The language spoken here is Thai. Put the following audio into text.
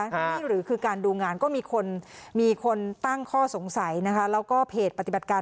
นี่หรือคือการดูงานก็มีคนมีคนตั้งข้อสงสัยนะคะแล้วก็เพจปฏิบัติการ